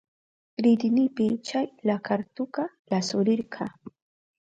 Ridinipi chay lakartuka lasurirka.